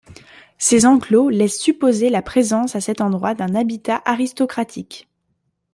Ces enclos laissent supposer la présence à cet endroit d'un habitat aristocratique.